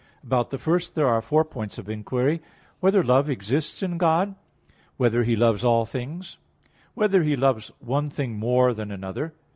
About the first there are four points of inquiry: (1) Whether love exists in God? (2) Whether He loves all things? (3) Whether He loves one thing more than another?